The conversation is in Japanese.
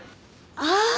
ああ！